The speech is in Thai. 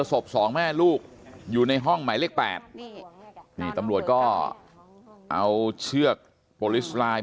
สองแม่ลูกอยู่ในห้องหมายเลข๘นี่ตำรวจก็เอาเชือกโปรลิสไลน์